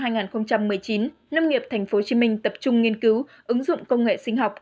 năm hai nghìn một mươi chín nông nghiệp thành phố hồ chí minh tập trung nghiên cứu ứng dụng công nghệ sinh học